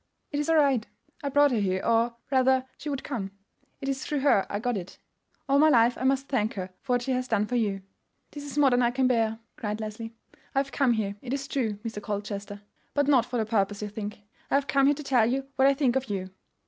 "It is all right; I brought her here, or, rather, she would come. It is through her I got it. All my life I must thank her for what she has done for you." "This is more than I can bear," cried Leslie. "I have come here, it is true, Mr. Colchester; but not for the purpose you think. I have come here to tell you what I think of you.